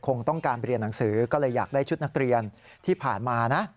คงต้องการเรียนหนังสือก็เลยอยากได้ชุดนักเรียนที่ผ่านมานะ